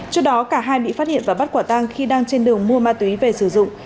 trước đó cả hai bị phát hiện và bắt quả tang khi đang trên đường mua ma túy về sử dụng